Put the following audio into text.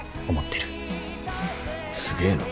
すげえな。